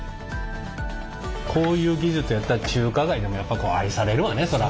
こういう技術やったら中華街でもやっぱ愛されるわねそら。